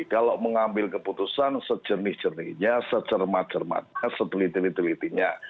kalau mengambil keputusan secernih cernihnya secermat cermatnya setelitih telitihnya